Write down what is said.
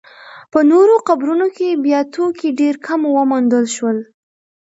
په نورو قبرونو کې بیا توکي ډېر کم وموندل شول.